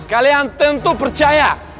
kalian tentu percaya